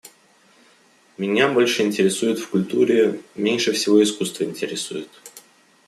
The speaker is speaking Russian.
Меня больше интересует в культуре… меньше всего искусство интересует.